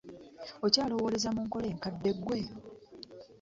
Okyalowooleza mu nkola enkadde ggwe.